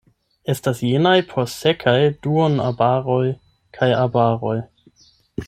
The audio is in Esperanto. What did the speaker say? Estas jenaj por sekaj duonarbaroj kaj arbaroj.